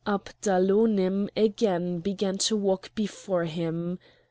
Abdalonim again began to walk before him.